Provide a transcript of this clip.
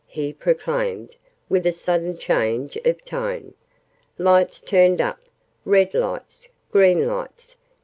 he proclaimed, with a sudden change of tone. "Lights turned up. Red lights. Green lights.